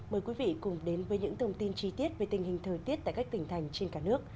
mời quý vị cùng đến với những thông tin chi tiết về tình hình thời tiết tại các tỉnh thành trên cả nước